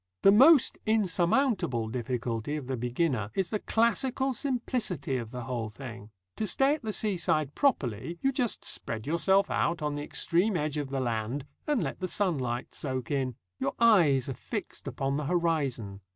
The most insurmountable difficulty of the beginner is the classical simplicity of the whole thing. To stay at the seaside properly you just spread yourself out on the extreme edge of the land and let the sunlight soak in. Your eyes are fixed upon the horizon.